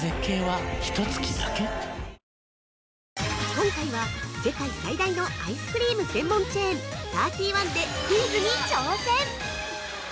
◆今回は、世界最大のアイスクリーム専門チェーン、サーティワンで、クイズに挑戦。